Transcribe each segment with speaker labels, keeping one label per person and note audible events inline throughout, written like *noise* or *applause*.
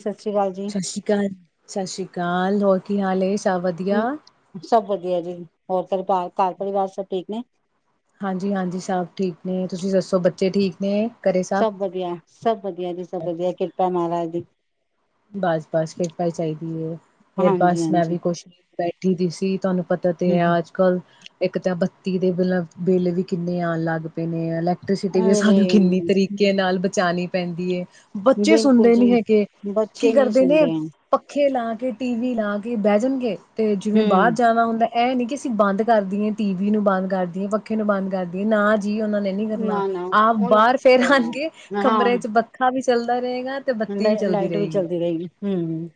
Speaker 1: ਸਤਿ ਸ੍ਰੀ ਅਕਾਲ ਜੀ,
Speaker 2: ਸਤਿ ਸ਼੍ਰੀ ਅਕਾਲ, ਸਤਿ ਸ੍ਰੀ ਕਾਲ ਹੋਰ ਕੀ ਹਾਲ ਏ? ਸਭ ਵਧੀਆ?
Speaker 1: ਹੂੰ, ਸਭ ਵਧੀਆ ਜੀ। ਹੋਰ ਪਰਿਵਾਰ, ਘਰ ਪਰਿਵਾਰ ਸਭ ਠੀਕ ਨੇ।
Speaker 2: ਹਾਂਜੀ-ਹਾਂਜੀ ਸਭ ਠੀਕ ਨੇ ਤੁਸੀਂ ਦੱਸੋ ਬੱਚੇ ਠੀਕ ਨੇ।
Speaker 1: ਸਭ ਵਧੀਆ, ਸਭ ਵਧੀਆ ਜੀ, ਸਭ ਵਧੀਆ ਕਿਰਪਾ ਏ ਮਹਾਰਾਜ ਦੀ।
Speaker 2: ਬਸ, ਬਸ ਕਿਰਪਾ ਹੀ ਚਾਹੀਦੀ ਏ ਫੇਰ
Speaker 1: ਹਾਂਜੀ
Speaker 2: ਬਸ ਮੈਂ
Speaker 1: ਹਾਂਜੀ।
Speaker 2: ਵੀ ਕੁਛ ਬੈਠੀ ਦੀ ਸੀ, ਤੁਹਾਨੂੰ ਪਤਾ ਤੇ ਹੈ ਅੱਜ ਕੱਲ ਇੱਕ ਤਾਂ ਬੱਤੀ ਦੇ ਬਿਲਾਂ ਬਿੱਲ ਵੀ ਕਿੰਨੇ ਆਉਣ ਲੱਗ ਪਏ ਨੇ ਅਲ ਤੁਸੀ ਤੀ ਵੀ ਸਾਨੂੰ ਕਿੰਨੀ
Speaker 1: ਅਰੇ
Speaker 2: ਤਰੀਕੇ ਨਾਲ ਬਚਾਣੀ। ਪੈਂਦੀ ਏ। ਬੱਚੇ
Speaker 1: ਬਿਲਕੁਲ
Speaker 2: ਸੁਣਦੇ
Speaker 1: ਜੀ,
Speaker 2: ਨੀ ਹੈਗੇ।
Speaker 1: ਬੱਚੇ
Speaker 2: ਕੀ
Speaker 1: ਨਹੀਂ
Speaker 2: ਕਰਦੇ ਨੇ,
Speaker 1: ਸੁਣਦੇ
Speaker 2: ਪੱਖੇ
Speaker 1: ਹੈ,
Speaker 2: ਪੱਖੇ ਲਾ ਕੇ ਟੀ ਵੀ ਲਾ ਕੇ ਬਹਿ ਜਾਣਗੇ। ਤੇ ਜਿਵੇਂ ਬਾਹਰ
Speaker 1: ਹੂੰ,
Speaker 2: ਜਾਣਾ ਹੁੰਦਾ। ਇਹ ਨੀ ਕਿ, ਅਸੀਂ ਬੰਦ ਕਰਦੀਏ ਟੀ ਵੀ ਨੂੰ ਬੰਦ ਕਰਦੀਏ ਪੱਖੇ ਨੂੰ ਬੰਦ ਕਰਦੀਏ ਨਾ ਜੀ ਉਹਨਾਂ ਨੇ ਨੀ ਕਰਨਾ,
Speaker 1: ਨਾ ਨਾ।
Speaker 2: ਆਪ
Speaker 1: ਉਹਨਾਂ
Speaker 2: ਬਾਹਰ ਫੇਰ
Speaker 1: ਕਰਨਾ,
Speaker 2: ਆਣਗੇ ਕਮਰੇ ਚ
Speaker 1: ਹਾਂ
Speaker 2: ਪੱਖਾ ਵੀ ਚੱਲਦਾ ਏ। ਕਈ ਵਾਰ ਤੇ ਬੱਤੀ ਵੀ ਚਲਦੀ
Speaker 1: ਚੱਲਦੀ ਰਹੇਗੀ ਹੂੰ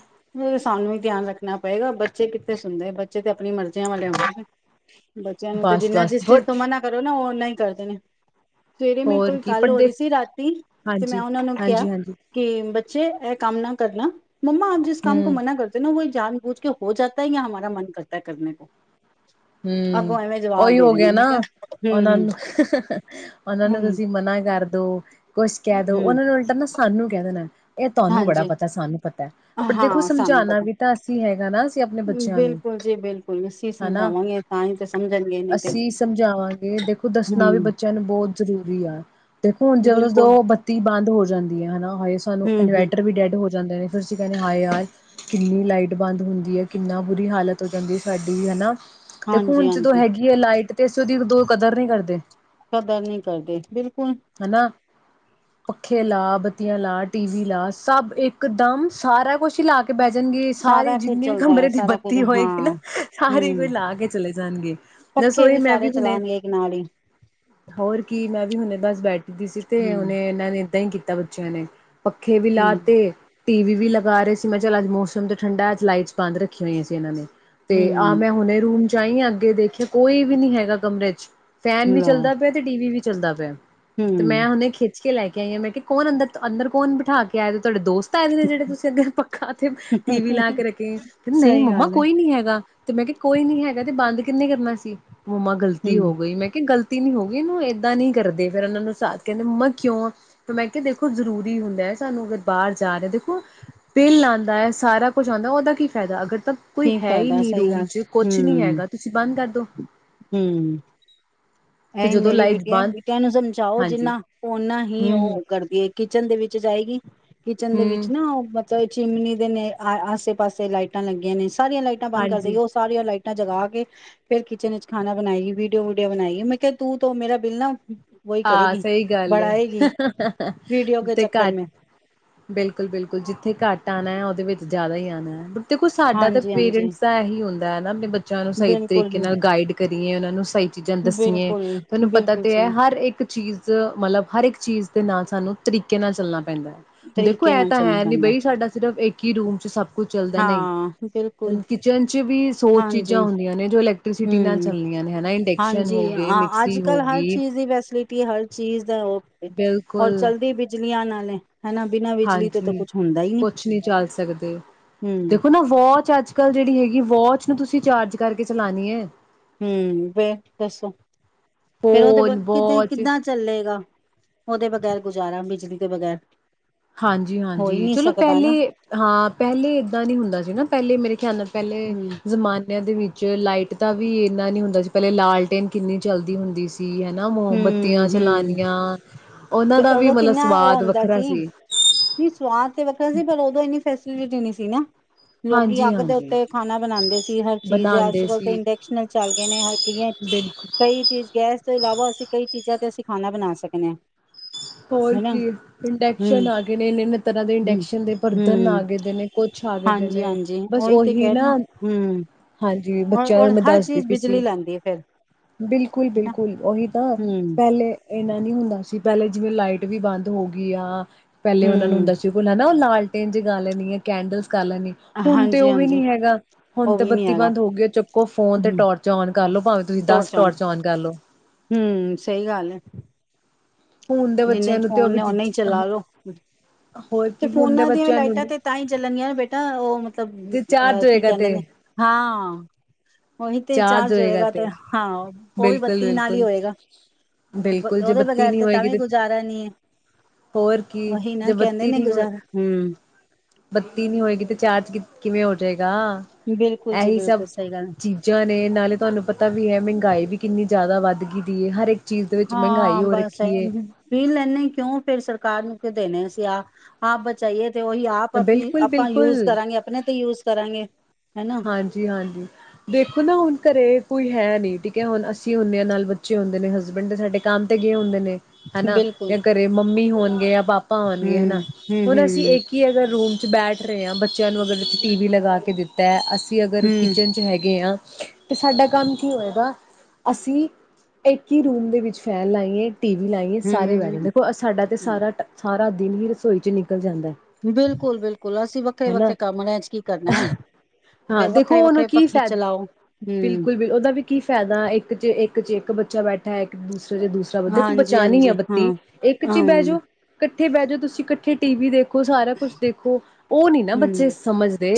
Speaker 1: *inaudible* ਸਾਨੂੰ ਵੀ ਧਿਆਨ ਰੱਖਣਾ ਪਏਗਾ ਬੱਚੇ ਕਿੱਥੇ ਸੁਣਦੇ ਬੱਚੇ ਤੇ ਆਪਣੀ ਮਰਜ਼ੀਆਂ ਵਾਲੇ ਹੁੰਦੇ ਨੇ। ਬੱਚਿਆਂ ਨੂੰ ਤੇ ਜਿੰਨਾ
Speaker 2: ਬਸ-ਬਸ
Speaker 1: ਜਿਸ ਚੀਜ਼
Speaker 2: ਬਟ
Speaker 1: ਤੋਂ ਮਨਾ ਕਰੋ ਨਾ ਉਹ ਓਨਾ ਹੀ ਕਰਦੇ ਨੇ। ਸਵੇਰੇ ਮੈਂ
Speaker 2: ਹੋਰ
Speaker 1: ਕੋਈ
Speaker 2: ਕੀ
Speaker 1: ਗੱਲ ਹੋ
Speaker 2: ਪੜ੍ਹਦੇ
Speaker 1: ਰਹੀ ਸੀ ਰਾਤੀ ਤੇ ਮੈਂ
Speaker 2: ਹਾਂਜੀ,
Speaker 1: ਉਹਨਾਂ ਨੂੰ ਕਿਹਾ
Speaker 2: ਹਾਂਜੀ-ਹਾਂਜੀ,
Speaker 1: ਕਿ ਬੱਚੇ ਕੰਮ ਨਾ ਕਰਨਾ। ਮੰਮਾ ਆਪ ਜਿਸ ਕੰਮ ਕੋ ਮਨਾ ਕਰਦੇ ਨਾ ਓਹੀ ਜਾਨ ਬੂਝ ਕੇ ਹੋ ਜਾਤਾ ਹੈ ਜਾਂ ਹਮਾਰਾ ਮਨ ਕਰਤਾ ਹੈ ਕਰਨੇ ਕੋ।
Speaker 2: ਹੂੰ
Speaker 1: ਅੱਗੋਂ ਐਵੇਂ ਜਵਾਬ
Speaker 2: ਉਹੀ
Speaker 1: ਦੇ
Speaker 2: ਹੋ
Speaker 1: ਰਹੇ ਨੇ
Speaker 2: ਗਿਆ
Speaker 1: ਮੈਂ
Speaker 2: ਨਾ
Speaker 1: ਕਿਹਾ
Speaker 2: ਉਹਨਾਂ
Speaker 1: ਹਮ
Speaker 2: ਨੂੰ ਉਹਨਾਂ ਨੂੰ
Speaker 1: ਹਮ
Speaker 2: ਤੁਸੀਂ ਮਨਾ ਕਰਦੋ ਕੁਛ ਕਹਿ ਦੋ
Speaker 1: ਹਮ
Speaker 2: ਉਹਨਾਂ ਨੂੰ ਉਲਟਾ ਨਾ ਸਾਨੂੰ ਕਹਿਣਾ ਨਾ ਇਹ ਤੁਹਾਨੂੰ ਬੜਾ
Speaker 1: ਹਾਂਜੀ
Speaker 2: ਪਤਾ ਸਾਨੂੰ ਪਤਾ ਪਰ ਦੇਖੋ
Speaker 1: ਹਾਂ ਸਾਨੂੰ
Speaker 2: ਸਮਝਾਣਾ
Speaker 1: ਪਤਾ
Speaker 2: ਵੀ ਤਾਂ ਅਸੀਂ ਹੈਗਾ ਨਾ। ਆਪਣੇ ਬੱਚਿਆਂ ਨੂੰ
Speaker 1: ਬਿਲਕੁਲ ਜੀ ਬਿਲਕੁਲ ਅਸੀਂ
Speaker 2: ਹਨਾ
Speaker 1: ਸਮਝਾਵਾਂਗੇ। ਤਾਂ ਹੀ ਤੇ ਸਮਝਣਗੇ ਨਹੀਂ ਤੇ
Speaker 2: ਅਸੀਂ ਸਮਝਾਵਾਂਗੇ ਦੇਖੋ ਦੱਸਣਾ ਵੀ
Speaker 1: ਹਮ
Speaker 2: ਬੱਚਿਆਂ ਨੂੰ ਬਹੁਤ ਜ਼ਰੂਰੀ ਆ। ਦੇਖੋ ਹੁਣ
Speaker 1: ਬਿਲਕੁਲ
Speaker 2: ਜਦੋਂ ਬੱਤੀ ਬੰਦ ਹੋ ਜਾਂਦੀ ਹੈ ਹਨਾ ਹਾਏ ਸਾਨੂੰ
Speaker 1: ਹਮ ਹਮ
Speaker 2: ਇਨਵਰਟਰ ਵੀ ਡੈਡ ਹੋ ਜਾਂਦੇ ਨੇ ਫਿਰ ਅਸੀਂ ਕਹਿੰਦੇ ਹਾਏ ਯਾਰ ਕਿੰਨੀ ਲਾਈਟ ਬੰਦ ਹੁੰਦੀ ਹੈ ਕਿੰਨਾ ਬੁਰੀ ਹਾਲਤ ਹੋ ਜਾਂਦੀ ਹੈ ਸਾਡੀ ਹਨਾ। ਦੇਖੋ
Speaker 1: ਹਾਂਜੀ
Speaker 2: ਹੁਣ ਜਦੋਂ
Speaker 1: ਹਾਂਜੀ
Speaker 2: ਹੈਗੀ ਆ ਲਾਈਟ ਤੇ ਅਸੀ ਉਦੋ ਕਦਰ ਨਹੀਂ ਕਰਦੇ।
Speaker 1: ਕਦਰ ਨਹੀਂ ਕਰਦੇ ਬਿਲਕੁਲ
Speaker 2: ਹਨਾ ਪੱਖੇ ਲਾ ਬੱਤੀਆਂ ਲਾ ਟੀਵੀ ਲਾ ਸਭ ਇਕ ਦਮ ਸਾਰਾ ਕੁਛ ਹੀ ਲਾ ਕੇ ਬਹਿ ਜਾਣਗੇ ਸਾਰੀ
Speaker 1: ਸਾਰਾ ਕੁੱਝ
Speaker 2: ਜਿੰਨੀ ਵੀ
Speaker 1: ਚੱਲਦਾ ਹੈ
Speaker 2: ਕਮਰੇ ਦੀ
Speaker 1: ਸਾਰਾ ਕੁੱਝ
Speaker 2: ਬੱਤੀ
Speaker 1: ਹਾਂ
Speaker 2: ਹੋਏਗੀ ਨਾ ਸਾਰੇ ਕੋਈ
Speaker 1: ਹਮ
Speaker 2: ਲਾ ਕੇ ਚਲੇ ਜਾਣਗੇ ਦੱਸ
Speaker 1: ਪੱਖੇ
Speaker 2: ਉਹੀ ਮੈਂ
Speaker 1: ਸਾਰੇ
Speaker 2: ਵੀ ਹੁਣੇ
Speaker 1: ਚਲਾਉਣਗੇ ਇੱਕ ਨਾਲ ਹੀ
Speaker 2: ਹੋਰ ਕੀ ਮੈਂ ਵੀ ਹੁੰਦੇ ਦਾ ਬੈਠ ਦੀ ਸੀ ਤੇ
Speaker 1: ਹੂੰ,
Speaker 2: ਉਹਨੇ ਇਹਨਾਂ ਨੇ ਏਦਾਂ ਹੀ ਦਾ ਬੱਚਿਆਂ ਨੇ ਪੱਖੇ ਵੀ ਲਾ
Speaker 1: ਹੂੰ,
Speaker 2: ਤੇ ਟੀਵੀ ਵੀ ਲਗਾ ਰਹੇ ਸੀ। ਮੈਂ ਚੱਲ ਅੱਜ ਮੌਸਮ ਤੇ ਠੰਡਾ ਅੱਜ ਲਾਈਟਸ ਬੰਦ ਰੱਖੀਆਂ ਹੋਈਆਂ ਸੀ ਇਹਨਾਂ ਨੇ ਤੇ ਆਹ
Speaker 1: ਹੂੰ,
Speaker 2: ਮੈਂ ਹੁਣੇ ਰੂਮ ਚ ਤਾਂ ਈ ਅੱਗੇ ਦੇਖਿਆ ਕੋਈ ਵੀ ਨੀ ਹੈਗਾ ਕਮਰੇ ਚ ਫੈਨ ਵੀ
Speaker 1: ਲਾ
Speaker 2: ਚੱਲਦਾ ਪਿਆ ਤੇ ਟੀਵੀ ਵੀ ਚੱਲਦਾ ਪਿਆ। ਤੇ ਮੈਂ
Speaker 1: ਹੂੰ।
Speaker 2: ਉਹਨੇ ਖਿੱਚ ਕੇ ਲੈ ਕੇ ਆਈ ਹਾਂ ਮੈਂ ਕਿਹਾ ਕੌਣ ਅੰਦਰ ਅੰਦਰ ਕੌਨ ਬਠਾ ਕੇ ਆ ਦੇ ਤੁਹਾਡੇ ਦੋਸਤ ਤਾ ਜਿਹੜੇ ਤੁਸੀਂ ਅੱਗੇ ਪੱਖਾ ਤੇ ਟੀਵੀ ਲਾ ਕੇ ਰੱਖੇ ਆ। ਕੈਂਦੇ ਨਹੀਂ
Speaker 1: ਸਹੀ
Speaker 2: ਮੰਮਾ
Speaker 1: ਗੱਲ ਹੈ,
Speaker 2: ਕੋਈ ਨੀ ਹੈਗਾ। ਤੇ ਮੈਂ ਕਿਹਾ ਕੋਈ ਨੀ ਹੈਗਾ ਤੇ ਬੰਦ ਕਿੰਨੇ ਕਰਨਾ ਸੀ। ਮਮਾ
Speaker 1: ਹੂੰ
Speaker 2: ਗਲਤੀ ਹੋ ਗਈ ਮੈਂ ਕਿਹਾ ਗਲ ਤਿ ਨੀ ਹੋ ਗਈ ਇਹਨੂੰ ਏਦਾਂ ਨੀ ਕਰਦੇ ਫੇਿਰ ਇਹਨਾਂ ਨੂੰ ਚਾਕ ਕੇ ਕਹਿੰਦੇ ਮਮਾ ਕਿਉਂ ਆ ਮੈਂ ਕਿਹਾ ਦੇਖੋ ਜ਼ਰੂਰੀ ਹੁੰਦਾ ਹੈ ਸਾਨੂੰ ਅਗਰ ਬਾਹਰ ਜਾ ਰਿਹਾ ਦੇਖੋ ਬਿਲ ਆਉਂਦਾ ਹੈ ਸਾਰਾ ਕੁੱਝ ਆਉਂਦਾ ਉਹਦਾ ਕੀ ਫਾਇਦਾ ਅਗਰ ਤਾਂ ਕੋਈ
Speaker 1: ਕੀ
Speaker 2: ਹੈ ਹੀ
Speaker 1: ਫਾਇਦਾ
Speaker 2: ਨਹੀਂ
Speaker 1: ਸਹੀ
Speaker 2: ਰੂਮ
Speaker 1: ਗੱਲ
Speaker 2: ਚ ਕੁਛ ਨਹੀਂ
Speaker 1: ਹੂੰ,
Speaker 2: ਹੈਗਾ ਤੁਸੀਂ ਬੰਦ ਕਰ। ਦੋ
Speaker 1: ਹੂੰ
Speaker 2: ਤੇ
Speaker 1: ਅਹੀ
Speaker 2: ਜਦੋਂ
Speaker 1: ਮੇਰੀ
Speaker 2: ਲਾਈਟ
Speaker 1: ਬੇਟੀਆਂ
Speaker 2: ਬੰਦ
Speaker 1: ਬੇਟਿਆਂ ਨੂੰ ਸਮਝਾਓ
Speaker 2: ਹਾਂਜੀ
Speaker 1: ਜਿੰਨਾ ਓਨਾ ਹੀ
Speaker 2: ਹਮ ਹਮ
Speaker 1: ਉਹ ਕਰਦੀ ਹੈ ਕਿਚਨ ਦੇ ਵਿੱਚ ਜਾਏਗੀ। ਕਿਚਨ ਦੇ ਵਿੱਚ
Speaker 2: ਹਮ
Speaker 1: ਨਾ ਓਹ ਮ ਚੱਲ ਚਿਮਨੀ ਦੇ ਨੇ ਆ ਆਸੇ ਪਾਸੇ ਲਾਈਟਾਂ ਲੱਗੀਆਂ ਨੇ ਸਾਰੀਆਂ ਲਾਈਟਾਂ ਬੰਦ ਕਰ
Speaker 2: ਹਾਂਜੀ
Speaker 1: ਦਿਓ ਸਾਰੀਆਂ ਲਾਈਟ ਮੈਂ ਜਗਾ ਕੇ ਫੇਰ ਕਿਚਨ ਚ ਖਾਣਾ ਬਣਾਏਗੀ ਵੀਡੀਓ ਵਡੀਓ ਬਣਾਈ। ਮੈਂ ਕਿਹਾ ਤੂ ਤੋ ਮੇਰਾ ਬਿੱਲ ਨਾ ਵਹੀ
Speaker 2: ਹਾਂ
Speaker 1: ਕਰੇਗੀ।
Speaker 2: ਸਹੀ ਗੱਲ ਏ,
Speaker 1: ਬੜਾਏਗੀ ਵੀਡੀਓ ਕੇ
Speaker 2: ਤੇ ਘਟ
Speaker 1: ਚੱਕਰ
Speaker 2: ਘੱਟ
Speaker 1: ਮੈਂ
Speaker 2: ਬਿਲਕੁਲ-ਬਿਲਕੁਲ ਜਿੱਥੇ ਘੱਟ ਆਉਣਾ ਹੈ ਉਹਦੇ ਵਿੱਚ ਜ਼ਿਆਦਾ ਹੀ ਆਉਨਾ ਬ ਦੇਖੋ ਸਾਡਾ ਤਾਂ
Speaker 1: ਹਾਂਜੀ-ਹਾਂਜੀ।
Speaker 2: ਪੇਰੈਂਟਸ ਤਾਂ ਇਹੀ ਹੁੰਦਾ ਹੈ ਨਾ ਆਪਣੇ ਬੱਚਿਆਂ ਨੂੰ ਸਹੀ
Speaker 1: ਬਿਲਕੁਲ,
Speaker 2: ਤਰੀਕੇ ਨਾਲ ਗਾਈਡ ਕਰੀਏ ਉਹਨਾਂ ਨੂੰ ਸਹੀ ਚੀਜ਼ਾਂ ਦਸੀਏ।
Speaker 1: ਬਿਲਕੁਲ,
Speaker 2: ਤੁਹਾਨੂੰ ਪਤਾ
Speaker 1: ਬਿਲਕੁਲ
Speaker 2: ਤੇ ਹੈ
Speaker 1: ਸਹੀ
Speaker 2: ਹਰ ਇੱਕ ਚੀਜ਼ ਮਤਲਬ ਹਰ ਇੱਕ ਚੀਜ਼ ਦੇ ਨਾਲ ਸਾਨੂੰ ਤਰੀਕੇ ਨਾਲ ਚੱਲਣਾ ਪੈਂਦਾ ਦੇਖੋ
Speaker 1: ਤਰੀਕੇ
Speaker 2: ਇਹ
Speaker 1: ਨਾਲ
Speaker 2: ਤਾਂ
Speaker 1: ਚੱਲਣਾ
Speaker 2: ਹੈ ਨੀ
Speaker 1: ਪੈਂਦਾ।
Speaker 2: ਬਈ ਸਾਡਾ ਸਿਰਫ ਇੱਕ ਕਿ ਰੂਮ ਚ ਸਭ ਕੁਛ ਚਲਦਾ ਨਹੀਂ
Speaker 1: ਹਾਂ, ਬਿਲਕੁਲ
Speaker 2: ਕਿਚਨ ਚ ਵੀ ਸੌ ਚੀਜ਼ਾਂ
Speaker 1: ਹਾਂਜੀ,
Speaker 2: ਹੁੰਦੀਆਂ ਨੇ ਜੋ ਇਲੈਕਟ੍ਰੀਸਿਟੀ ਨਾਲ
Speaker 1: ਹੂੰ।
Speaker 2: ਚੱਲਦੀਆਂ ਨੇ ਹਨਾ ਇੰਡਕਸ਼ਨ ਹੋ ਗਏ, ਮਿਕਸੀ ਹੋ ਗਈ।
Speaker 1: ਪੀ ਹਰ ਚੀਜ਼ ਦਾ ਓ ਪਏ, ਤੇ
Speaker 2: ਬਿਲਕੁਲ
Speaker 1: ਚਲਦੀ ਬਿਜਲੀਆਂ ਨਾਲ ਨੇ
Speaker 2: ਹਾਂਜੀ ਕੁਛ ਨਹੀਂ ਚੱਲ ਸਕਦੇ
Speaker 1: ਹੂੰ।
Speaker 2: ਦੇਖੋ ਨਾ ਵਾਚ ਅੱਜ਼ ਅੱਜ ਕੱਲ ਜਿਹੜੀ ਹੈਗੀ, ਵੋਚ ਨੂੰ ਤੁਸੀਂ ਚਾਰਜ ਕਰਕੇ ਚਲਾਣੀ ਹੈ।
Speaker 1: ਹੂੰ, ਫੇਰ ਦੱਸੋ, ਫੇਰ ਉਹਦੇ
Speaker 2: ਫੋਨ
Speaker 1: ਬਗੈਰ ਕੀਦੇ
Speaker 2: ਵੋਚ
Speaker 1: ਕਿੱਦਾਂ ਚੱਲੇਗਾ, ਉਹਦੇ ਬਗ਼ੈਰ ਗੁਜ਼ਾਰਾ ਬਿਜਲੀ ਬਗੈਰ ਹੋ ਹੀ
Speaker 2: ਹਾਂਜੀ-ਹਾਂਜੀ
Speaker 1: ਨਹੀਂ
Speaker 2: ਚਲੋ,
Speaker 1: ਸਕਦਾ ਨਾ,
Speaker 2: ਪਹਿਲੇ ਹਾਂ ਪਹਿਲੇ ਏਦਾਂ ਨੀ ਹੁੰਦਾ ਸੀ ਨਾ ਪਹਿਲੇ ਮੇਰੇ ਖਿਆਲ ਪਹਿਲੇ
Speaker 1: ਹੂੰ।
Speaker 2: ਜ਼ਮਾਨਿਆਂ ਦੇ ਵਿੱਚ ਚ ਲਾਈਟ ਤਾਂ ਵੀ ਇੰਨਾ ਨਹੀਂ ਹੁੰਦਾ ਸੀ, ਪਹਿਲੇ ਲਾਲਟੇਨ ਕਿੰਨੀ ਚੱਲਦੀ ਹੁੰਦੀ ਸੀ। ਹਨਾ, ਮੋਮਬੱਤੀਆਂ
Speaker 1: ਹੂੰ, ਹੂੰ
Speaker 2: ਚਲਾਨੀਆਂ, ਉਹਨਾਂ
Speaker 1: ਤੇ
Speaker 2: ਦਾ ਵੀ
Speaker 1: ਉਦੋਂ
Speaker 2: ਮਤਲਬ
Speaker 1: ਕਿੰਨਾ ਉਹ
Speaker 2: ਸਵਾਦ
Speaker 1: ਹੁੰਦਾ
Speaker 2: ਵੱਖਰਾ ਸੀ।
Speaker 1: *unintelligible* ਸਵਾਦ ਤੇ ਵੱਖਰਾ ਸੀ, ਪਰ ਉਦੋਂ ਇੰਨੀ ਫੈਸਿਲਿਟੀ ਨਹੀਂ ਸੀ। ਨਾ। ਲੋਕੀ
Speaker 2: ਹਾਂਜੀ
Speaker 1: ਅੱਗ ਦੇ
Speaker 2: ਹਾਂਜੀ
Speaker 1: ਉੱਤੇ ਖਾਣਾ ਬਣਾਉਂਦੇ ਸੀ, ਹਰ ਚੀਜ਼
Speaker 2: ਬਣਾਉਂਦੇ
Speaker 1: ਅੱਜ-ਕੱਲ ਤੇ
Speaker 2: ਸੀ
Speaker 1: ਇੰਡਕਸ਼ਨ ਚੱਲ ਗਏ, ਨੇ ਹਈਆਂ
Speaker 2: ਬਿਲਕੁਲ
Speaker 1: ਕਈ ਚੀਜ਼ ਗੈਸ ਤੋਂ ਇਲਾਵਾ ਕਈ ਚੀਜ਼ਾਂ ਤੇ ਅਸੀਂ ਖਾਣਾ ਬਣਾ ਸਕਦੇ ਹਾਂ।
Speaker 2: ਹੋਰ
Speaker 1: ਹਨਾ
Speaker 2: ਕੀ
Speaker 1: ਹਮ
Speaker 2: ਇੰਡਕਸ਼ਨ ਆ ਗਏ ਨੇ ਇੰਨੇ-ਇੰਨੇ ਤਰ੍ਹਾਂ ਦੇ ਹੋਰ
Speaker 1: ਹਮ
Speaker 2: ਇੰਡਕਸ਼ਨ ਦੇ ਬਰਤਨ
Speaker 1: ਹਮ
Speaker 2: ਆ ਗਏ ਨੇ ਕੁਛ ਆ ਗਏ ਦੇ
Speaker 1: ਹਾਂਜੀ
Speaker 2: ਨੇ
Speaker 1: ਹਾਂਜੀ
Speaker 2: ਬਸ
Speaker 1: ਤੇ
Speaker 2: ਉਹੀ
Speaker 1: ਕਹਿ ਰਹੀ ਹਾਂ
Speaker 2: ਨਾ,
Speaker 1: ਹਮ
Speaker 2: ਹਾਂਜੀ
Speaker 1: ਔਰ
Speaker 2: ਬੱਚਿਆਂ
Speaker 1: ਔਰ
Speaker 2: ਨੂੰ ਮੈਂ
Speaker 1: ਹਰ
Speaker 2: ਦੱਸਦੀ
Speaker 1: ਚੀਜ਼
Speaker 2: ਪਈ
Speaker 1: ਬਿਜਲੀ
Speaker 2: ਸੀ,
Speaker 1: ਲੈਂਦੀ ਹੈ ਫਿਰ ਹਨਾ
Speaker 2: ਬਿਲਕੁਲ-ਬਿਲਕੁਲ ਉਹੀ ਤਾਂ
Speaker 1: ਹਮ
Speaker 2: ਪਹਿਲੇ ਇੰਨਾ ਨੀ ਹੁੰਦਾ ਸੀ ਪਹਿਲੇ ਜਿਵੇਂ ਲਾਈਟ ਵੀ ਬੰਦ ਹੋ ਗਈ ਆ ਪਹਿਲੇ ਉਹਨਾਂ ਨੂੰ
Speaker 1: ਹਮ
Speaker 2: ਹੁੰਦਾ ਸੀ ਨਾ ਉਹ ਲਾਲ ਇੰਜ ਗੱਲ ਨੀ ਹੈ, ਕੈਂਡਲ ਕਰ ਲੈਣੀ, ਹੁਣ ਤੇ
Speaker 1: ਹਾਂਜੀ
Speaker 2: ਉਹ ਵੀ
Speaker 1: ਹਾਂਜੀ
Speaker 2: ਨੀ ਹੈਗਾ, ਹੁਣ
Speaker 1: ਉਹ
Speaker 2: ਤੇ
Speaker 1: ਵੀ ਨੀ
Speaker 2: ਬੱਤੀ
Speaker 1: ਹੈਗਾ
Speaker 2: ਬੰਦ ਹੋ ਗਈ ਚੁੱਕੋ ਫੋਨ ਤੇ
Speaker 1: ਹੂੰ
Speaker 2: ਟੋਰਚ ਔਨ ਕਰਲੋ ਭਾਵੇਂ ਤੁਸੀਂ
Speaker 1: ਤੋੜ
Speaker 2: ਦਸ
Speaker 1: ਚੌਣ
Speaker 2: ਟੋਰਚ ਓਨ ਕਰਲੋ
Speaker 1: ਹਮ ਸਹੀ ਗੱਲ ਹੈ ਜਿੰਨੇ ਫੋਨ ਨੇ ਓਨੇ ਹੀ
Speaker 2: ਚੀਜ਼ਾਂ
Speaker 1: ਚਲਾ ਲੋ,
Speaker 2: ਹੋਰ
Speaker 1: ਤੇ
Speaker 2: ਕੀ ਹੁਣ ਦੇ
Speaker 1: ਫੋਨਾਂ ਦੀਆਂ ਵੀ
Speaker 2: ਬੱਚਿਆਂ ਨੂੰ
Speaker 1: ਲਾਈਟਾਂ
Speaker 2: ਨੀ
Speaker 1: ਤੇ ਤਾਂ ਹੀ ਚੱਲਣਗੀਆਂ ਨੇ ਬੇਟਾ ਉਹ ਮਤਲਬ
Speaker 2: ਜੇ ਚਾਰਜ
Speaker 1: ਅਹ ਕੀ
Speaker 2: ਹੋਏਗਾ
Speaker 1: ਕਹਿੰਦੇ
Speaker 2: ਤੇ
Speaker 1: ਨੇ ਹਾਂ ਹਾਂ। ਓਹੀ ਤੇ ਚਾਰਜ ਹੋਏਗਾ ਤੇ ਹਾਂ, ਉਹ ਵੀ
Speaker 2: ਬਿਲਕੁਲ
Speaker 1: ਬੱਤੀ ਨਾਲ ਹੀ
Speaker 2: ਬਿਲਕੁਲ
Speaker 1: ਹੋਏਗਾ,
Speaker 2: ਬਿਲਕੁਲ ਜੇ
Speaker 1: ਉਹਦੇ
Speaker 2: ਬੱਤੀ
Speaker 1: ਬਗੈਰ
Speaker 2: ਨੀ
Speaker 1: ਤੇ ਤਾਂ ਵੀ ਗੁਜ਼ਾਰਾ ਨੀ ਹੈ
Speaker 2: ਹੋਰ ਕੀ
Speaker 1: ਉਹੀ ਨਾ
Speaker 2: ਜੇ
Speaker 1: ਕਹਿੰਦੇ
Speaker 2: ਬੱਤੀ
Speaker 1: ਨੇ
Speaker 2: ਨੀ ਹੋਏ,
Speaker 1: ਗੁਜ਼ਾਰਾ ਹਮ।
Speaker 2: ਬੱਤੀ ਨੀ ਹੋਏਗੀ ਤੇ ਚਾਰਜ ਕਿਵੇਂ ਹੋ ਜਾਏਗਾ
Speaker 1: ਬਿਲਕੁਲ ਜੀ
Speaker 2: ਇਹੀ ਸਭ
Speaker 1: ਬਿਲਕੁਲ ਸਹੀ ਗੱਲ।
Speaker 2: ਚੀਜ਼ਾਂ ਨੇ ਨਾਲੇ ਤੁਹਾਨੂੰ ਪਤਾ ਵੀ ਹੈ, ਮਹਿੰਗਾਈ ਵੀ ਕਿੰਨੀ ਜ਼ਿਆਦਾ ਵੱਧ ਗਈ ਹੈ, ਹਰ ਇੱਕ ਚੀਜ਼ ਦੇ ਵਿੱਚ ਮਹਿੰਗਾਈ
Speaker 1: ਹਾਂ
Speaker 2: ਹੋ
Speaker 1: ਬਸ,
Speaker 2: ਰੱਖੀ ਹੈ
Speaker 1: ਬਿੱਲ ਏਨੇ ਕਿਉਂ ਫੇਰ ਸਰਕਾਰ ਨੂੰ ਦੇਣੇ ਸੀ ਐ *unintelligible* ਤੇ ਉਹੀ ਆਪ ਅਸੀ
Speaker 2: ਬਿਲਕੁਲ
Speaker 1: ਆਪਾਂ ਯੂਜ
Speaker 2: ਬਿਲਕੁਲ
Speaker 1: ਕਰਾਂਗੇ ਆਪਣੇ ਤੇ ਯੂਜ ਕਰਾਂਗੇ ਹਨਾ
Speaker 2: ਹਾਂਜੀ- ਹਾਂਜੀ ਦੇਖੋ ਨਾ ਹੁਣ ਘਰੇ ਕੋਈ ਹੈ ਨਹੀਂ ਠੀਕ ਹੈ, ਹੁਣ ਅਸੀਂ ਹੁੰਦੇ ਹਾਂ ਨਾਲ ਬੱਚੇ ਹੁੰਦੇ ਨੇ ਹਸਬੈਂਡ ਤੇ ਸਾਡੇ ਕੰਮ ਤੇ ਗਏ ਹੁੰਦੇ ਨੇ ਹਨਾ,
Speaker 1: ਬਿਲਕੁਲ
Speaker 2: ਯਾ ਘਰੇ ਮੰਮੀ ਹੋਣਗੇ ਆਪ ਪਾਪਾ ਹੋਣਗੇ ਹਨਾ,
Speaker 1: ਹਮ ਹਮ
Speaker 2: ਹੁਣ ਅਸੀਂ
Speaker 1: ਹਮ
Speaker 2: ਇੱਕ ਹੀ ਅਗਰ ਰੂਮ ਬੈਠ ਰਹੇ ਆਂ ਬੱਚਿਆਂ ਨੂੰ ਅਗਰ ਟੀ ਵੀ ਲਗਾ ਕੇ ਦਿੱਤਾ। ਅਸੀਂ ਅਗਰ
Speaker 1: ਹਮ
Speaker 2: ਕਿਚਨ 'ਚ ਹੈਗੇ ਹਾਂ। ਤੇ ਸਾਡਾ ਕੰਮ ਕੀ ਹੋਏਗਾ ਅਸੀਂ ਇੱਕ ਹੀ ਰੂਮ ਦੇ ਵਿੱਚ ਫੈਨ ਲਾਈਏ। ਟੀਵੀ ਲਾਈਏ ਸਾਰੇ ਬਹਿ
Speaker 1: ਹਮ।
Speaker 2: ਜਾਂਦੇ ਦੇਖੋ ਸਾਡਾ ਤੇ ਸਾਰਾ ਦਿਨ ਹੀ ਰਸੋਈ ਚ ਨਿਕਲਦਾ
Speaker 1: ਬਿਲਕੁਲ-ਬਿਲਕੁਲ ਅਸੀਂ
Speaker 2: ਹਨਾ
Speaker 1: ਵੱਖਰੇ-ਵੱਖਰੇ ਕਮਰਿਆਂ ਚ ਕੀ ਕਰਨਾ ਹੈ।
Speaker 2: ਹਾਂ
Speaker 1: ਫੇਰ
Speaker 2: ਦੇਖੋ
Speaker 1: ਵੱਖਰੇ
Speaker 2: ਹੁਣ
Speaker 1: ਵੱਖਰੇ
Speaker 2: ਕੀ
Speaker 1: ਪੱਖੇ
Speaker 2: ਫਾਇਦਾ
Speaker 1: ਚਲਾਓ
Speaker 2: ਏ
Speaker 1: ਹਮ
Speaker 2: ਬਿਲਕੁਲ-ਬਿਲਕੁਲ ਉਹਦਾ ਵੀ ਕੀ ਫਾਇਦਾ ਇੱਕ ਚ ਇੱਕ ਚ ਇੱਕ ਬੱਚਾ ਬੈਠਾ ਹੈ ਇੱਕ ਦੂਸਰਾ। ਦੂਸਰਾ ਦੇਖੋ ਬਚਾਣੀ ਆ
Speaker 1: ਹਾਂਜੀ-ਹਾਂਜੀ ਹਾਂ
Speaker 2: ਬੱਤੀ ਇੱਕ ਚ ਹੀ ਬਹਿ
Speaker 1: ਹਮ
Speaker 2: ਜੋ ਇਕੱਠੇ ਬਹਿ ਜਾਓ ਤੁਸੀਂ ਇਕੱਠੇ ਟੀਵੀ ਦੇਖੋ। ਸਾਰਾ ਕੁਛ ਦੇਖੋ। ਉਹ ਨੀ ਨਾ ਬੱਚੇ
Speaker 1: ਹਮ
Speaker 2: ਸਮਝਦੇ।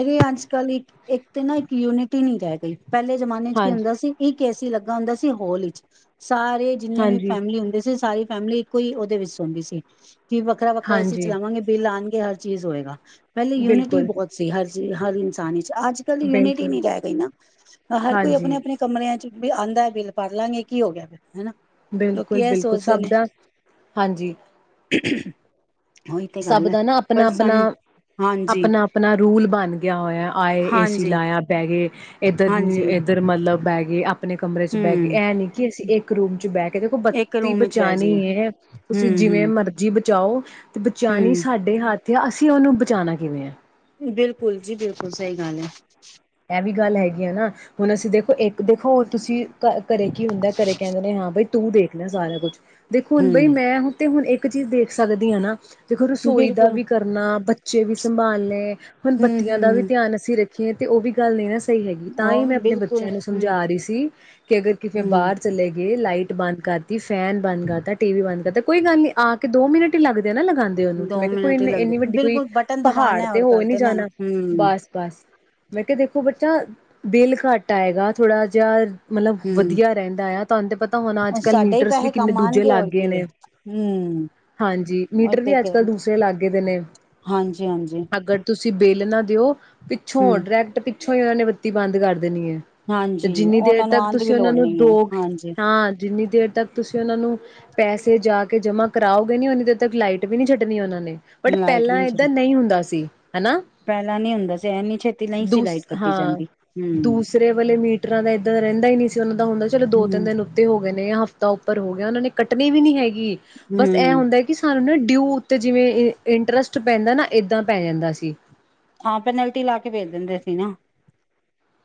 Speaker 1: ਅਰੇ ਅਜ ਕਲ ਇੱਕ ਇੱਕ ਤੇ ਨਾ ਕਿ ਯੂਨਿਟੀ ਨਹੀਂ ਰਹਿ ਗਈ। ਪਹਿਲੇ ਜਮਾਨੇ ਚ ਕੀ
Speaker 2: ਹਾਂਜੀ
Speaker 1: ਹੁੰਦਾ ਸੀ ਇੱਕ ਏਸੀ ਲੱਗਾ ਹੁੰਦਾ ਸੀ ਹੋਲ ਵਿੱਚ। ਸਾਰੇ ਜਿੰਨੇ ਵੀ
Speaker 2: ਹਾਂਜੀ
Speaker 1: ਫੈਮਿਲੀ ਹੁੰਦੇ ਸੀ ਸਾਰੀ ਫੈਮਿਲੀ ਇੱਕੋ ਹੀ ਉਹਦੇ ਵਿੱਚ ਸੌਂਦੀ ਸੀ। ਕੀ ਵੱਖਰਾ-ਵੱਖਰਾ ਏਸੀ
Speaker 2: ਹਾਂਜੀ
Speaker 1: ਚਲਾਵਾਂਗੇ ਬਿੱਲ ਆਣਗੇ ਹਰ ਚੀਜ਼ ਹੋਏਗਾ। ਪਹਿਲੇ ਯੂਨਿਟੀ
Speaker 2: ਬਿਲਕੁਲ
Speaker 1: ਬਹੁਤ ਹਰ ਚੀਜ਼ ਹਰ ਇਨਸਾਨ ਚ ਅੱਜ ਕੱਲ ਯੂਨਿਟੀ
Speaker 2: ਬਿਲਕੁਲ
Speaker 1: ਨਹੀਂ ਰਹਿ ਗਈ ਨਾ ਹਰ ਕੋਈ ਆਪਣੇ
Speaker 2: ਹਾਂਜੀ
Speaker 1: ਆਪਣੇ ਕਮਰਿਆਂ ਚ ਵੀ ਆਂਦਾ ਬਿੱਲ ਭਰ ਲਾਂਗੇ ਕੀ ਹੋ ਗਿਆ ਫਿਰ
Speaker 2: ਬਿਲਕੁਲ-ਬਿਲਕੁਲ ਸਭ ਦਾ ਹਾਂਜੀ।
Speaker 1: ਉਹੀ ਤੇ
Speaker 2: ਸਭ
Speaker 1: ਗੱਲ ਹੈ
Speaker 2: ਦਾ ਨਾ
Speaker 1: ਪਰ ਸਾਨੂੰ ਹਾਂਜੀ
Speaker 2: ਆਪਣਾ-ਆਪਣਾ-ਆਪਣਾ-ਆਪਣਾ ਰੂਲ ਬਣ ਗਿਆ ਹੋਇਆ ਆਏ ਏਸੀ
Speaker 1: ਹਾਂਜੀ
Speaker 2: ਲਾਇਆ ਪੈ *inaudible* ਇੱਧਰ ਨ
Speaker 1: ਹਾਂਜੀ
Speaker 2: ਇੱਧਰ ਮਤਲਬ ਪੈ ਗਏ ਅਪ ਆਪਣੇ ਕਮਰੇ ਚ ਬੈਗੇ
Speaker 1: ਹੂੰ,
Speaker 2: ਇਹ ਨਹੀਂ ਕਿ ਅਸੀਂ, ਇੱਕ ਰੂਮ ਚ ਬੈਠ ਦੇਖੋ
Speaker 1: ਇੱਕ
Speaker 2: ਬੱਤੀ
Speaker 1: ਰੂਮ ਵਿੱਚ ਬਹਿ ਜਾਈਏ
Speaker 2: ਬਚਾਉਣੀ ਹੈ, ਤੁਸੀਂ ਜਿਵੇਂ
Speaker 1: ਹੂੰ-ਹੂੰ,
Speaker 2: ਮਰਜ਼ੀ ਜਾਓ ਬਚਾਨੀ
Speaker 1: ਹੂੰ।
Speaker 2: ਸਾਡੇ ਹੱਥ ਅਤੇ ਅਸੀਂ ਉਹਨੂੰ ਬਚਾਉਣਾ ਕਿਵੇਂ ਹੈ,
Speaker 1: ਬਿਲਕੁਲ ਜੀ ਬਿਲਕੁਲ ਸਹੀ ਗੱਲ ਹੈ।
Speaker 2: ਇਹ ਵੀ ਗੱਲ ਹੈਗੀ ਆ ਨਾ ਹੁਣ ਅਸੀਂ ਦੇਖੋ ਇੱਕ ਦੇਖੋ ਤੁਸੀਂ ਘਰੇ ਕੀ ਹੁੰਦਾ ਘਰੇ ਕਹਿੰਦੇ ਨੇ ਹਾਂ ਬਈ, ਤੂੰ ਦੇਖ ਲੈ ਸਾਰਾ ਕੁਛ, ਦੇਖੋ ਹੁਣ ਬਈ
Speaker 1: ਹੂੰ
Speaker 2: ਮੈਂ ਹੁਣ ਤੇ ਹੁਣ ਇੱਕ ਇੱਕ ਚੀਜ਼ ਦੇਖ ਸਕਦੀ ਹੈ ਨਾ, ਦੇਖੋ ਰਸੋਈ ਦਾ
Speaker 1: ਬਿਲਕੁਲ
Speaker 2: ਵੀ ਕਰਨਾ ਬੱਚੇ ਵੀ ਸੰਭਾਲਣੇ, ਹੁਣ ਬੱਤੀਆਂ ਦਾ ਵੀ
Speaker 1: ਹੂੰ-ਹੂੰ
Speaker 2: ਧਿਆਨ ਅਸੀਂ ਰੱ ਖੇ ਅਤੇ ਉਹ ਵੀ ਗੱਲ ਨਹੀਂ *unintelligible* ਸਹੀ ਹੈਗੀ ਤਾਂ ਹੀ
Speaker 1: ਔਰ
Speaker 2: ਮੈਂ ਆਪਣੇ
Speaker 1: ਬਿਲਕੁਲ
Speaker 2: ਬੱਚਿਆਂ ਨੂੰ ਸਮਝਾ
Speaker 1: ਹੂੰ-ਹੂੰ।
Speaker 2: ਰਹੀ ਸੀ, ਕਿ ਅਗਰ ਕਿਵੇਂ ਬਾਹਰ ਚਲੇੇਗੀ, ਜੇ ਲਾਈਟ ਬੰਦ ਕਰਤੀ ਫਿਰ ਫੈਨ ਬੰਦ ਕਰਤਾ, ਟੀ ਵੀ ਬੰਦ ਕਰਤਾ, ਕੋਈ ਗੱਲ ਨੀ ਆ ਕੇ ਦੋ ਮਿੰਟ ਹੀ ਲੱਗ *unintelligible* ਨਾ ਲਗਾਉਂਦੇ ਉਹਨੂੰ ਤੇ
Speaker 1: ਦੋ
Speaker 2: ਮੈਂ ਕਿਹਾ ਕੋਈ
Speaker 1: ਮਿੰਟ ਹੀ ਲੱਗਦੇ
Speaker 2: ਇੰਨੀ ਵੱਡੀ ਕੋਈ
Speaker 1: ਬਿਲਕੁਲ ਬਟਨ
Speaker 2: ਪਹਾੜ
Speaker 1: ਦਬਾਨਾ ਹੈ
Speaker 2: ਤੇ
Speaker 1: ਔਰ
Speaker 2: ਹੋ
Speaker 1: ਕਰ
Speaker 2: ਨੀ
Speaker 1: ਦੇਨਾ
Speaker 2: ਜਾਣਾ
Speaker 1: ਹੂੰ-ਹੂੰ।
Speaker 2: ਬਸ ਬਸ, ਮੈਂ ਕਿਹਾ ਦੇਖੋ ਬੱਚਾ ਬਿੱਲ ਘੱਟ ਆਏਗਾ ਥੋੜਾ ਜਿਹਾ, ਮਤਲਬ ਵਧੀਆ ਰਹਿੰਦਾ ਆ ਤੁਹਾਨੂੰ ਤੇ ਪਤਾ ਹੋਣਾ ਅੱਜ ਕੱਲ
Speaker 1: ਸਾਡੇ ਹੀ
Speaker 2: ਮੀਟਰਸ ਵੀ
Speaker 1: ਪੈਸੇ
Speaker 2: ਕਿੰਨੇ
Speaker 1: ਕੰਮ
Speaker 2: ਦੂਜੇ
Speaker 1: ਆਣਗੇ
Speaker 2: ਲੱਗ
Speaker 1: ਹੋਰ
Speaker 2: ਗਏ
Speaker 1: ਕੀ ਹੈ
Speaker 2: ਨੇ,
Speaker 1: ਹੂੰ।
Speaker 2: ਹਾਂਜੀ
Speaker 1: ਉਹ
Speaker 2: ਮੀਟਰ
Speaker 1: ਤੇ
Speaker 2: ਵੀ ਅੱਜ ਕੱਲ੍ਹ
Speaker 1: ਕਹਿ
Speaker 2: ਦੂਸਰੇ ਲੱਗ ਦੇ ਨੇ
Speaker 1: ਹਾਂਜੀ-ਹਾਂਜੀ
Speaker 2: ਅਗਰ ਤੁਸੀਂ ਬਿੱਲ ਨਾ ਦਿਓ
Speaker 1: ਹੂੰ।
Speaker 2: ਪਿੱਛੋਂੜ, ਨੈੱਟ ਪਿੱਛੋਂ ਹੀ ਉਹਨਾਂ ਨੇ ਬੱਤੀ ਬੰਦ ਕਰ ਦਿੱ ਦੇਣੀ ਹੈ ਤੇ,
Speaker 1: ਹਾਂਜੀ
Speaker 2: ਜਿੰਨੀ ਦੇਰ
Speaker 1: ਉਹਨਾਂ ਨੂੰ
Speaker 2: ਤੱਕ
Speaker 1: ਆਣ ਦੀ
Speaker 2: ਤੁਸੀਂ
Speaker 1: ਵੀ
Speaker 2: ਉਹਨਾਂ
Speaker 1: ਲੋੜ
Speaker 2: ਨੂੰ
Speaker 1: ਨਹੀਂ ਹੈ
Speaker 2: ਦੋ
Speaker 1: ਹਾਂਜੀ
Speaker 2: ਹਾਂ ਜਿੰਨੀ ਦੇਰ ਤੱਕ ਤੁਸੀਂ ਉਹਨਾਂ ਨੂੰ, ਪੈਸੇ ਜਾ ਕੇ ਜਮਾ ਕਰਾਓਗੇ ਨੀ ਉਹਨੀ ਦੇਰ ਤੱਕ ਲਾਈਟ ਵੀ ਨਹੀਂ ਛੱਡਣੀ ਉਹਨਾਂ ਨੇ, ਬਟ
Speaker 1: ਲਾਈਟ ਵੀ
Speaker 2: ਪਹਿਲਾਂ ਏਦਾਂ ਨਹੀਂ ਹੁੰਦਾ ਸੀ। ਹਨਾ
Speaker 1: ਪਹਿਲਾਂ ਨੀ ਹੁੰਦਾ ਸੀ ਐਨੀ ਛੇ
Speaker 2: ਦੂਸ ਹਾਂ ਦੂਸਰੇ ਵਾਲੇ ਮੀਟਰਾਂ ਦਾ ਇੱਦਾਂ ਰਹਿੰਦਾ ਹੀ ਨਹੀਂ ਸੀ ਉਹਨਾਂ ਦਾ ਹੁੰਦਾ ਚਲੋ ਦੋ ਤਿੰਨ
Speaker 1: ਹੂੰ।
Speaker 2: ਦਿਨ ਉੱਤੇ ਹੋ ਗਏ ਨੇ ਜਾਂ ਹਫ਼ਤਾ ਉੱਪਰ ਹੋ ਗਿਆ ਉਹਨਾਂ ਨੇ ਕੱਟਣੇ ਵੀ ਨਹੀਂ ਹੈ ਗੀ ਬਸ
Speaker 1: ਹੂੰ,
Speaker 2: ਇਹ ਹੁੰਦਾ ਕਿ ਸਾਨੂੰ ਨਾ ਡਿਊ ਉੱਤੇ ਜਿਵੇਂ ਇਹ,
Speaker 1: ਹਾਂ ਪੈਨਲਟੀ ਲਾ ਕੇ ਵੇਚ ਦਿੰਦੇ ਸੀ ਨਾ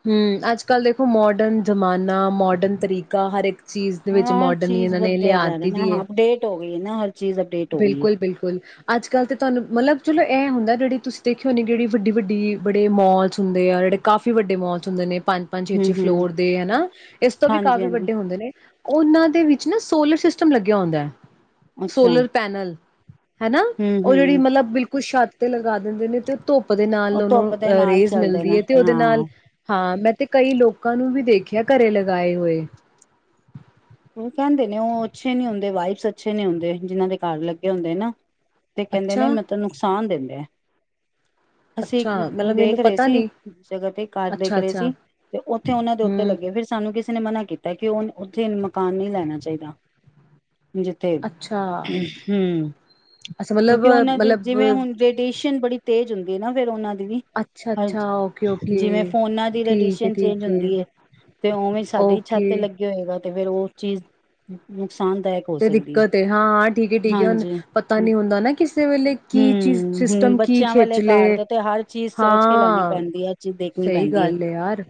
Speaker 2: ਹੂੰ ਅੱਜ ਕੱਲ੍ਹ ਦੇਖੋ ਮੋਡਰਨ ਜ਼ਮਾਨਾ ਮੋਡਰਨ ਤਰੀਕਾ ਹਰ ਇੱਕ ਚੀਜ਼ ਦੇ ਵਿੱਚ
Speaker 1: ਹਰ
Speaker 2: ਮੋਡਰਨ ਹੀ
Speaker 1: ਚੀਜ਼
Speaker 2: ਇਹਨਾਂ ਨੇ
Speaker 1: ਵਧਿਆ ਜਾ ਰਿਹਾ ਹੈ, ਨਾ ਅਪਡੇਟ ਹੋ ਗਈ ਨਾ ਹਰ ਚੀਜ਼ ਅਪਡੇਟ ਹੋ ਗਈ ਹੈ।
Speaker 2: ਬਿਲਕੁਲ-ਬਿਲਕੁਲ ਅੱਜ ਕੱਲ ਤੇ ਤੁਹਾਨੂੰ ਮਤਲਬ ਚਲੋ ਇਹ ਹੁੰਦਾ ਹੈ, ਜਿਹੜੀ ਤੁਸੀਂ ਦੇਖਿਓ ਨੇ ਜਿਹੜੀ ਵੱਡੀ ਵੱਡੀ ਬੜੇ ਮੋਲਸ ਹੁੰਦੇ ਆ ਜਿਹੜੇ ਕਾਫੀ ਵੱਡੇ ਮੋਲਸ ਹੁੰਦੇ ਨੇ। ਪੰਜ-ਪੰਜ ਛੇ-ਛੇ
Speaker 1: ਹੂੰ-ਹੂੰ।
Speaker 2: ਫਲੋਰ ਦੇ ਹੈਨਾ, ਇਸ ਤੋਂ ਵੀ ਕਾਫ਼ੀ
Speaker 1: ਹਾਂਜੀ-ਹਾਂਜੀ
Speaker 2: ਵੱਡੇ ਹੁੰਦੇ ਨੇ ਉਹਨਾਂ ਦੇ ਵਿੱਚ ਨਾ ਸੋਲਰ ਸਿਸਟਮ ਲੱਗਿਆ ਹੁੰਦਾ ਹੈ।
Speaker 1: ਅੱਛਾ,
Speaker 2: ਸੋਲਰ ਪੈਨਲ ਹੈਨਾ, ਉਹ ਜਿਹੜੀ
Speaker 1: ਹੂੰ-ਹੂੰ
Speaker 2: ਮਤਲਬ ਬਿਲਕੁਲ ਛੱਤ ਤੇੱ *unintelligible* ਲਗਾ ਦਿੰਦੇ ਨੇ ਤੇ ਉਹ ਧੁੱਪ ਦੇ ਨਾਲ
Speaker 1: ਉਹ
Speaker 2: ਉਹਨੂੰ
Speaker 1: ਧੁੱਪ ਦੇ ਨਾਲ
Speaker 2: ਰੇਜ਼
Speaker 1: ਚੱਲਦੇ
Speaker 2: ਮਿਲਦੀ
Speaker 1: ਨੇ
Speaker 2: ਹੈ ਤੇ ਉਹਦੇ ਨਾਲ
Speaker 1: ਹਾਂ।
Speaker 2: ਹਾਂ ਮੈਂ ਤੇ ਕਈ ਲੋਕਾਂ ਨੂੰ ਵੀ ਦੇਖਿਆ ਘਰੇ ਲਗਾਏ ਹੋਏ।
Speaker 1: ਉਹ ਕਹਿੰਦੇ ਨੇ ਉਹ ਅੱਛੇ ਨੀ ਹੁੰਦੇ ਵਾਈਬਜ਼ ਅੱਛੇ ਨੀ ਹੁੰਦੇ, ਜਿਹਨਾਂ ਦੇ ਘਰ ਲੱਗੇ ਹੁੰਦੇ ਨਾ। ਤੇ ਕਹਿੰਦੇ ਨੇ
Speaker 2: ਅੱਛਾ
Speaker 1: ਮਤਲਬ ਨੁਕਸਾਨ ਦਿੰਦੇ ਆ। ਅਸੀਂ
Speaker 2: ਅੱਛਾ ਮਤਲਬ
Speaker 1: ਦੇਖ
Speaker 2: ਮੈਨੂੰ
Speaker 1: ਰਹੇ
Speaker 2: ਪਤਾ
Speaker 1: ਸੀ,
Speaker 2: ਨੀ
Speaker 1: ਜਗ੍ਹਾ ਤੇ ਘਰ ਦੇਖ
Speaker 2: ਅੱਛਾ
Speaker 1: ਰਹੇ
Speaker 2: ਅੱਛਾ
Speaker 1: ਸੀ, ਤੇ ਉੱਥੇ ਉਹਨਾਂ ਦੇ ਉੱਤੇ
Speaker 2: ਹਮ
Speaker 1: ਲੱਗੇ ਫਿਰ ਸਾਨੂੰ ਕਿਸੇ ਨੇ ਮਨਾ ਕੀਤਾ ਕਿ ਉਹ ਉੱਥੇ ਇਨ ਮਕਾਨ ਨਹੀਂ ਲੈਣਾ ਚਾਹੀਦਾ। ਜਿੱਥੇ
Speaker 2: ਅੱਛਾ
Speaker 1: ਹੂੰ,
Speaker 2: ਅੱਛਾ ਮਤਲਬ
Speaker 1: ਕਿਉਂਕਿ ਉਹਨਾਂ ਦੀ
Speaker 2: ਮਤਲਬ
Speaker 1: ਜਿਵੇਂ ਹੁਣ ਰੇਡੀਏਸ਼ਨ ਬੜੀ ਤੇਜ਼ ਹੁੰਦੀ। ਦੇਨਾ ਫੇਰ ਉਹਨਾਂ
Speaker 2: ਅੱਛਾ ਅੱਛਾ ਓਕੇ ਓਕੇ
Speaker 1: ਜਿਵੇਂ ਫੋਨਾ ਦੀ
Speaker 2: ਠੀਕ ਹੈ
Speaker 1: ਰੇਡੀਸ਼ਨ ਚੇਂਜ
Speaker 2: ਠੀਕ
Speaker 1: ਹੁੰਦੀ ਹੈ, ਤੇ ਉਵੇਂ ਸਾਡੀ ਛੱਤ
Speaker 2: ਓਕੇ
Speaker 1: ਤੇ ਲੱਗੇ ਹੋਏਗਾ। ਤੇ ਫਿਰ ਉਹ ਚੀਜ਼, ਨੁਕਸਾਨਦਾਇਕ ਹੋ
Speaker 2: ਤੇ
Speaker 1: ਸਕਦੀ ਹੈ
Speaker 2: ਦਿੱਕਤ ਹਾਂ-ਹਾਂ ਠੀਕ ਹੈ, ਠੀਕ ਹੈ ਹੁਣ
Speaker 1: ਹਾਂਜੀ
Speaker 2: ਪਤਾ ਨੀ ਹੁੰਦਾ ਨਾ ਕਿਸੇ ਵੇਲੇ ਕੀ ਚੀਜ਼
Speaker 1: ਹਮ ਹਮ
Speaker 2: ਸਿਸਟਮ ਕੀ
Speaker 1: ਬੱਚਿਆਂ ਵਾਲੇ
Speaker 2: ਖਿੱਚਲੇ
Speaker 1: ਘਰ ਦਾ ਤੇ ਹਰ ਚੀਜ਼ ਸੋਚ ਕੇ ਲੈਣੀ
Speaker 2: ਹਾਂ
Speaker 1: ਪੈਂਦੀ ਹੈ ਹਰ ਚੀਜ਼ ਦੇਖਣੀ
Speaker 2: ਸਹੀ
Speaker 1: ਪੈਂਦੀ
Speaker 2: ਗੱਲ ਹੈ, ਯਾਰ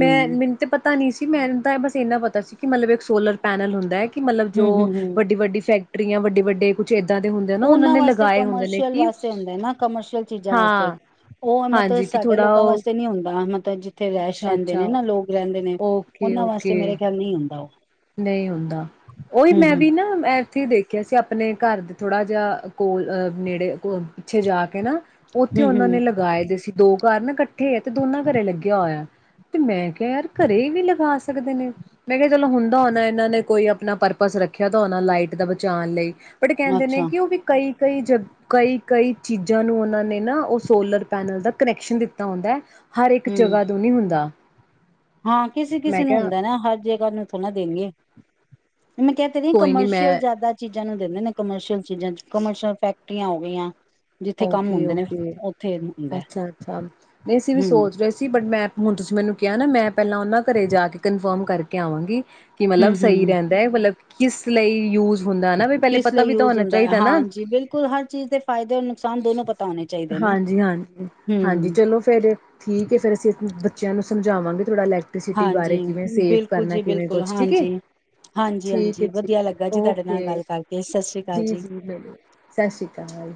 Speaker 2: ਮੈਂ
Speaker 1: ਹਮ
Speaker 2: ਮੈਨੂੰ ਤੇ ਪਤਾ ਨੀ ਸੀ, ਮੈਨੂੰ ਤਾਂ ਬਸ ਇੰਨਾ ਪਤਾ ਸੀ, ਕਿ ਮਤਲਬ ਇੱਕ ਸੋਲਰ ਪੈਨਲ ਹੁੰਦਾ ਹੈ, ਕਿ ਮਤਲਬ
Speaker 1: ਹਮ
Speaker 2: ਦੋ
Speaker 1: ਹਮ ਹਮ
Speaker 2: ਵੱਡੀ-ਵੱਡੀ ਫੈਕ ਫੈਕਟਰੀਆਂ ਵੱਡੇ-ਵੱਡੇ
Speaker 1: ਉਹਨਾਂ ਵਾਸਤੇ ਕਮਰਸ਼ੀਅਲ
Speaker 2: ਕਿ
Speaker 1: ਵਾਸਤੇ ਹੁੰਦਾ ਹੈ, ਨਾ ਕਮਰਸ਼ੀਅਲ ਚੀਜ਼ਾਂ ਵਾਸਤੇ
Speaker 2: ਹਾਂ
Speaker 1: ਉਹ ਮਤਲਬ
Speaker 2: ਹਾਂਜੀ ਕਿ
Speaker 1: ਸਾਡੇ
Speaker 2: ਥੋੜਾ
Speaker 1: ਲੋਕਾਂ
Speaker 2: ਉਹ
Speaker 1: ਵਾਸਤੇ ਨਹੀਂ ਹੁੰਦਾ, ਮਤਲਬ ਜਿੱਥੇ ਰਹਿਸ਼
Speaker 2: ਅੱਛਾ
Speaker 1: ਰਹਿੰਦੇ ਨੇ
Speaker 2: ਅੱਛਾ
Speaker 1: ਨਾ ਲੋਕ ਰਹਿੰਦੇ ਨੇ
Speaker 2: ਓਕੇ
Speaker 1: ਉਹਨਾਂ ਵਾਸਤੇ
Speaker 2: ਓਕੇ
Speaker 1: ਮੇਰੇ ਖਿਆਲ ਨਹੀਂ ਹੁੰਦਾ ਉਹ
Speaker 2: ਨਹੀਂ ਹੁੰਦਾ ਉਹੀ
Speaker 1: ਹਮ
Speaker 2: ਮੈਂ
Speaker 1: ਹਮ
Speaker 2: ਵੀ ਨਾ ਇੱਥੇ ਦੇਖਿਆ ਸੀ, ਆਪਣੇ ਘਰ ਦੇ ਥੋੜਾ ਜਿਹਾ ਕੋਲ ਆ ਨੇੜੇ ਪਿੱਛੇ ਜਾ ਕੇ ਨਾ ਉੱਥੇ
Speaker 1: ਹਮ
Speaker 2: ਉਹਨਾਂ ਨੇ
Speaker 1: ਹਮ
Speaker 2: ਲਗਾਏ ਪਏ ਸੀ। ਦੋ ਘਰ ਨਾ ਇਕੱਠੇ ਹੈ, ਤੇ ਦੋਨਾਂ ਘਰੇ ਲੱਗਿਆ ਹੋਇਆ ਹੈ, ਤੇ ਮੈਂ ਕਿਹਾ ਕੇਰ ਘਰੇ ਵੀ ਲਗਾ *unintelligible* ਸਕਦੇ ਨੇ ਮੈਂ ਕਿਹਾ ਚਲੋ ਹੁਣ ਹੋਣਾ ਇਹਨਾਂ ਨੇ ਕੋਈ ਆਪਣਾ ਪਰਪਸ ਰੱਖਿਆ ਤਾਂ ਹੋਣਾ ਲਾਈਟ ਦਾ ਬਚਾਉਣ ਲਈ। ਬਟ ਕਹਿੰਦੇ ਨੇ
Speaker 1: ਅੱਛਾ
Speaker 2: ਕਿ ਉਹ ਵੀ ਕਈ ਕਈ ਜ ਕਈ ਕਈ ਚੀਜ਼ਾਂ ਨੂੰ ਉਹਨਾਂ ਨੇ ਨਾ ਉਹ ਸੋਲਰ ਪੈਨਲ ਦਾ ਕਨੈਕਸ਼ਨ ਦਿੱਤਾ ਹੁੰਦਾ ਹੈ। ਹਰ ਇੱਕ
Speaker 1: ਹਮ
Speaker 2: ਜਗ੍ਹਾ ਤੋਂ ਨਹੀਂ ਹੁੰਦਾ।
Speaker 1: ਹਾਂ ਕਿਸੇ
Speaker 2: ਮੈਂ
Speaker 1: ਕਿਸੇ ਨੂੰ
Speaker 2: ਕਿਹਾ
Speaker 1: ਹੁੰਦਾ ਹੈ ਨਾ, ਹਰ ਜਗ੍ਹਾ ਨੂੰ ਥੋੜਾ ਨਾ ਦੇਣਗੇ। ਮੈਂ ਕਹਿ ਰਹੀ
Speaker 2: ਕੋਈ ਨੀ ਮੈਂ
Speaker 1: ਕਮਰਸ਼ੀਅਲ ਜ਼ਿਆਦਾ ਚੀਜ਼ਾਂ ਨੂੰ ਦਿੰਦੇ ਨੇ ਕਮਰਸ਼ੀਅਲ ਚੀਜ਼ਾਂ ਚ ਕਮਰਸ਼ੀਅਲ ਫੈਕਟਰੀਆਂ ਹੋ ਗਈਆਂ। ਜਿੱਥੇ ਕੰਮ
Speaker 2: ਓਕੇ
Speaker 1: ਹੁੰਦੇ ਨੇ
Speaker 2: ਓਕੇ
Speaker 1: ਉੱਥੇ ਹੁੰਦਾ
Speaker 2: ਅੱਛਾ ਅੱਛਾ ਨਹੀਂ ਅਸੀਂ ਵੀ
Speaker 1: ਹਮ
Speaker 2: ਸੋਚ ਰਹੇ ਸੀ ਬਟ ਮੈਂ ਹੁਣ ਤੁਸੀ ਮੈਨੂੰ ਕਿਹਾ ਨਾ ਮੈਂ ਪਹਿਲਾਂ ਉਹਨਾਂ ਘਰੇ ਜਾ ਕੇ ਕਨਫਰਮ ਕਰਕੇ ਕੇ ਆਵਾਂਗੀ। ਕਿ ਮਤਲਬ
Speaker 1: ਹਮ
Speaker 2: ਸਹੀ
Speaker 1: ਹਮ
Speaker 2: ਰਹਿੰਦਾ ਹੈ ਮਤਲਬ ਕਿਸ ਲਈ ਯੂਜ ਹੁੰਦਾ ਨਾ ਵੀ ਪਹਿਲੇ
Speaker 1: ਕਿਸ
Speaker 2: ਪਤਾ
Speaker 1: ਲਈ
Speaker 2: ਵੀ ਤਾਂ
Speaker 1: ਯੂਜ
Speaker 2: ਹੋਣਾ
Speaker 1: ਹੁੰਦਾ ਹੈ,
Speaker 2: ਚਾਹੀਦਾ
Speaker 1: ਹਾਂਜੀ ਬਿਲਕੁਲ ਹਰ ਚੀਜ਼ ਦੇ ਫਾਇਦੇ ਨੁਕਸਾਨ ਦੋਨੋ ਪਤਾ ਹੋਣੇ ਚਾਹੀਦੇ ਨਾ
Speaker 2: ਹਾਂਜੀ ਹਾਂਜੀ ਹਾਂਜੀ
Speaker 1: ਹੂੰ,
Speaker 2: ਚਲੋ ਫੇਰ ਠੀਕ ਹੈ ਫੇਰ ਅਸੀਂ ਬੱਚਿਆਂ ਨੂੰ ਸਮਝਾਵਾਂਗੇ। ਥੋੜ੍ਹਾ ਇਲੈਕਟ੍ਰੀਸਿਟੀ
Speaker 1: ਹਾਂਜੀ
Speaker 2: ਬਾਰੇ ਕਿਵੇਂ ਸੇਵ
Speaker 1: ਬਿਲਕੁਲ
Speaker 2: ਕਰਨਾ
Speaker 1: ਜੀ
Speaker 2: ਕਿਵੇਂ
Speaker 1: ਬਿਲਕੁਲ,
Speaker 2: ਕੁਛ ਠੀਕ ਹੈ।
Speaker 1: ਹਾਂਜੀ।
Speaker 2: ਠੀਕ ਹੈ
Speaker 1: ਹਾਂਜੀ-ਹਾਂਜੀ ਵਧੀਆ ਲੱਗਾ
Speaker 2: ਠੀਕ
Speaker 1: ਜੀ ਤੁਹਾਡੇ ਨਾਲ
Speaker 2: ਓਕੇ
Speaker 1: ਗੱਲ ਕਰਕੇ, ਸਤਿ ਸ੍ਰੀ ਅਕਾਲ
Speaker 2: ਜੀ ਜੀ ਸਤਿ ਸ਼੍ਰੀ ਅਕਾਲ